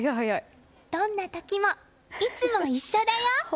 どんな時もいつも一緒だよ。